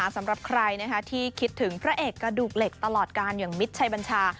สำหรับใครที่คิดถึงพระเอกกระดูกเหล็กตลอดการอย่างมิตรชัยบัญชา